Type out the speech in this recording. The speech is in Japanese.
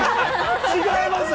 ◆違います。